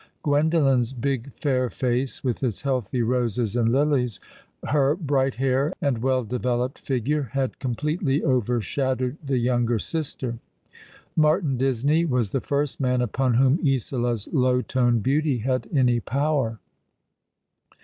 Gwendolen's big fair face, with its healthy roses and lilies, her bright hair, and well developed figure, had completely overshadowed the younger sister. Martin Disney was the first man upon whom Isola's low toned beauty had any power.